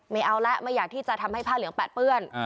ไม่เอาแล้วไม่อยากที่จะทำให้ผ้าเหลืองแปดเปื้อน